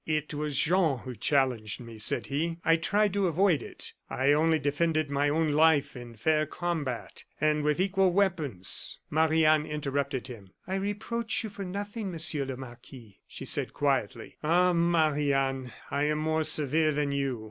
"It was Jean who challenged me," said he; "I tried to avoid it. I only defended my own life in fair combat, and with equal weapons " Marie Anne interrupted him. "I reproach you for nothing, Monsieur le Marquis," she said, quietly. "Ah! Marie Anne, I am more severe than you.